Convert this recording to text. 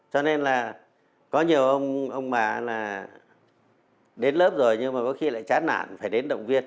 cho nên là có nhiều ông bà là đến lớp rồi nhưng mà có khi lại chán nản phải đến động viên